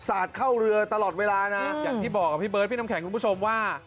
สาดเข้าเรือตลอดเวลาน่ะอย่างที่บอกว่าเห็นผมแข็งคุณผู้ชมว่า